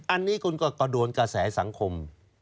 อันนี้คุณก็กระโดนกระแสสังคม